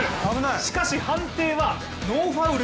しかし、判定はノーファール。